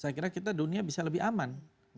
saya kira kita dunia bisa lebih aman